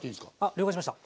了解しました。